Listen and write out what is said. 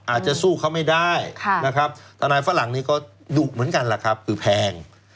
อาจจะสู้เขาไม่ได้ทนายฝรั่งนี้ก็ดุเหมือนกันคือแพง